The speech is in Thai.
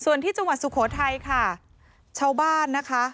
ส่วนที่จังหวัดสุโขทัยค่ะชาวบ้านนะคะ